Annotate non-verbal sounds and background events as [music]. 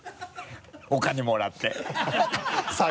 お金もらって [laughs]